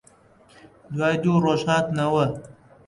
دوای دوو ڕۆژ هاتنەوە